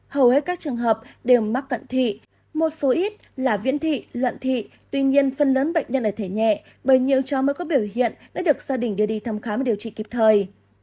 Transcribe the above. hầu hết các trường hợp đều mắc cận thị một số ít là viễn thị luận thị tuy nhiên phần lớn bệnh nhân ở thể nhẹ bởi nhiều cháu mới có biểu hiện đã được gia đình đưa đi thăm khám và điều trị kịp thời